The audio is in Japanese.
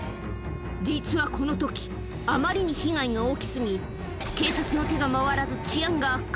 実はこのとき、あまりに被害が大きすぎ、警察の手が回らず、治安が悪化。